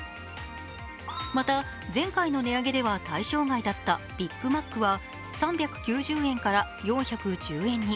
また、前回の値上げでは対象外だったビッグマックは３９０円から４１０円に。